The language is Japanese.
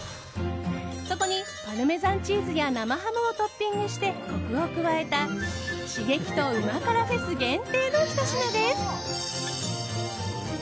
そこにパルメザンチーズや生ハムをトッピングしてコクを加えた刺激と旨辛ＦＥＳ限定のひと品です。